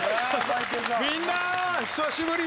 みんな久しぶり！